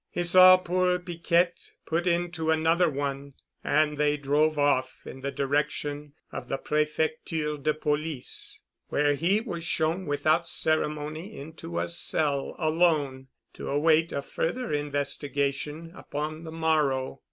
He saw poor Piquette put into another one and they drove off in the direction of the Prefecture de Police, where he was shown without ceremony into a cell alone to await a further investigation upon the morrow.